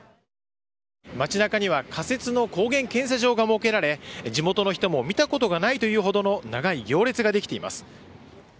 街なかには、仮設の抗原検査場が設けられ、地元の人も見たことがないというほどの長い行列が出来ています。